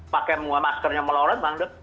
pakai maskernya melorot bangde